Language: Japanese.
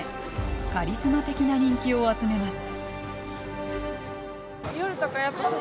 カリスマ的な人気を集めます。